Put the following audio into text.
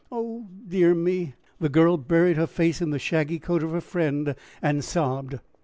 Oh, dear me!" The girl buried her face in the shaggy coat of her friend and sobbed.